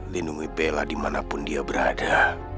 lindungi pela dimanapun dia berada